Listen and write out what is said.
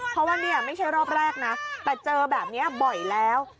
เพราะว่านี่ไม่ใช่รอบแรกนะแต่เจอแบบนี้บ่อยแล้ว